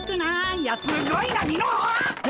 いやすっごいなミノあ！